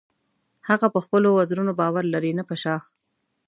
هغه په خپلو وزرونو باور لري نه په شاخ.